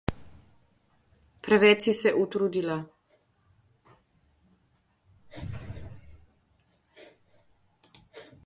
Preveč si se utrudila!